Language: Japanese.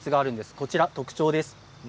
こちらが特徴です。